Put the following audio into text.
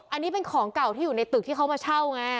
อันนี้เป็นของเก่าที่อยู่ในตึกที่เขามาเช่าไง